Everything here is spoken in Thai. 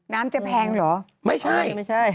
น้ำจะแพงเหรอไม่ใช่